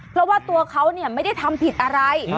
เพราะว่าตัวเขาไม่ได้ทำผิดอะไร